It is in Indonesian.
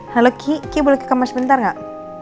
halo ki ki boleh ke kamar sebentar gak